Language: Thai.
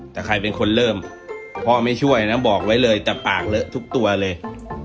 แต่ใครเป็นคนเริ่มพ่อไม่ช่วยนะบอกไว้เลยแต่ปากเลอะทุกตัวเลย